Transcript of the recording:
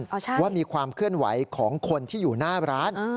ใช่ว่ามีความเคลื่อนไหวของคนที่อยู่หน้าร้าน